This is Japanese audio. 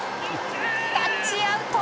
タッチアウト！